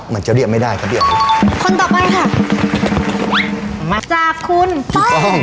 มันจะเรียกไม่ได้ก็เรียกคนต่อไปค่ะมาจากคุณป้อง